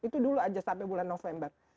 itu dulu aja sampai bulan november